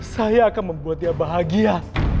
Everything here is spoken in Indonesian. saya akan membuat dia bahagia